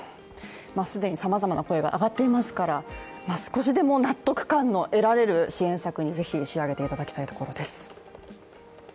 既にさまざまな声が上がっていますから少しでも納得感の得られる支援策にぜひ、仕上げていただきたいところです。